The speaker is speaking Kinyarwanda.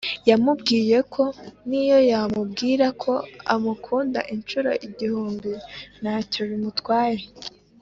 yamubwiyeko niyo yamubwira ko amukunda inshuro igihumbi ntacyo bitwaye